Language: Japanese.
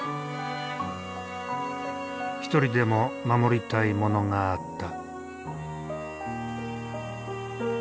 一人でも守りたいものがあった。